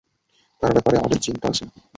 তার ব্যাপারে আমাদের চিন্তা আছে।